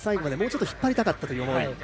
もうちょっと引っ張りたかったという思い。